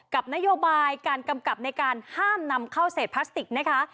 กับนโยบายการกำกับในการห้ามนำเข้าเศษพลาสติกนะคะ